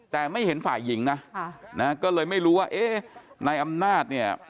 แต่ไม่เห็นฝ่ายหญิงนะก็เลยไม่รู้ว่าเอ๊ะนายอำนาจเนี่ย